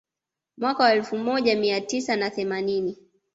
Mwaka wa elfu moja mia tisa na themanini